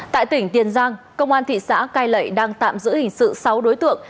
tại tỉnh tiền giang công an thị xã cai lệ đang tạm giữ hình sự sáu đối tượng